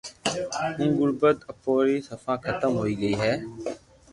ھمو غربت اپوري صفا ختم ھوئي گئي ھي